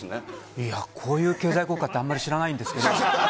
いや、こういう経済効果ってあんまり知らないんですけど。